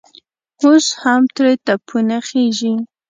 اوس هم ترې تپونه خېژي.